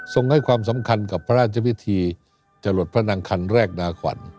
ให้ความสำคัญกับพระราชพิธีจรดพระนางคันแรกนาขวัญ